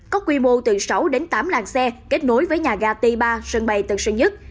có quy mô từ sáu đến tám làng xe kết nối với nhà ga t ba sân bay tân sơn nhất